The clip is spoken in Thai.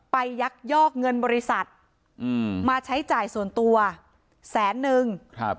ยักยอกเงินบริษัทมาใช้จ่ายส่วนตัวแสนนึง